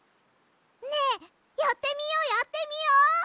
ねえやってみようやってみよう！